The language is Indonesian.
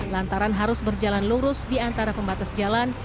lantaran harus berjalan lurus di antara pembatas jalan